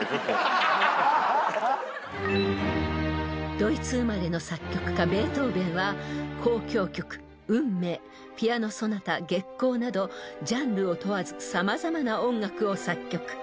［ドイツ生まれの作曲家ベートーベンは交響曲『運命』ピアノソナタ『月光』などジャンルを問わず様々な音楽を作曲］